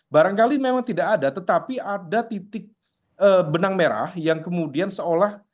barangkali memang tidak ada tetapi ada titik benang merah yang kemudian seolah